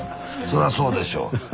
そらそうでしょう。